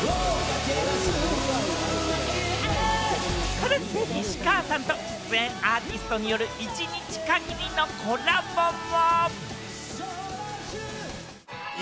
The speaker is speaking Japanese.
さらに西川さんと出演アーティストによる１日限りのコラボも。